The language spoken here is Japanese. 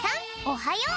おはよう！